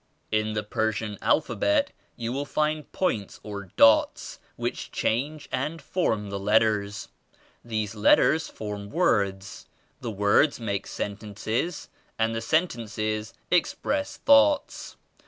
"In the Persian alphabet you will find points or dots which change and form the letters. These letters form words; the words make sen tences and the sentences express thoughts.